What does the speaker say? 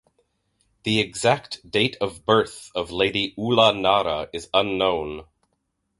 The exact date of birth of Lady Ula Nara is unknown.